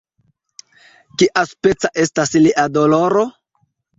"Kiaspeca estas lia doloro?"